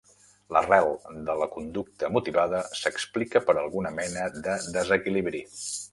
L'arrel de la conducta motivada s'explica per alguna mena de desequilibri.